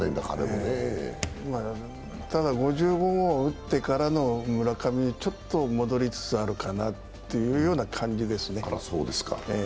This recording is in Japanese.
ただ５５号を打ってからの村上にちょっと戻りつつあるかなという感じですね。